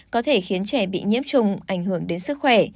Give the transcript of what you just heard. có thể khiến trẻ bị nhiễm trùng ảnh hưởng đến sức khỏe